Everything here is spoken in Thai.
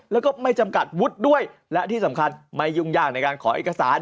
แล้วก็ไม่จำกัดวุฒิด้วยและที่สำคัญไม่ยุ่งยากในการขอเอกสาร